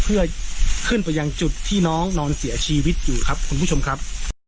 เพื่อขึ้นไปยังจุดที่น้องนอนเสียชีวิตอยู่ครับคุณผู้ชมครับ